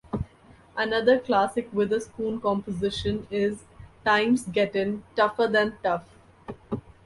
Another classic Witherspoon composition is "Times Gettin' Tougher Than Tough".